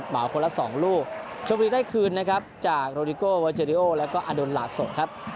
หม่าวคนละ๒ลูกชมพลีได้คืนนะครับจากโรดิโกวัลเจอริโอแล้วก็อดนลาสงครับ